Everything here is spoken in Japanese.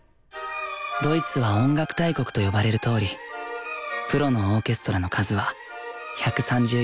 ドイツは音楽大国と呼ばれるとおりプロのオーケストラの数は１３０以上。